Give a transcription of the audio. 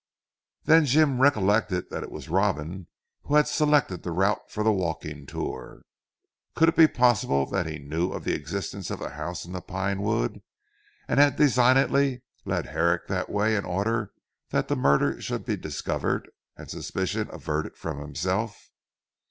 Then Jim recollected that it was Robin who had selected the route for the walking tour. Could it be possible that he knew of the existence of the House in the Pine Wood, and had designedly led Herrick that way in order that the murder should be discovered, and suspicion averted from himself?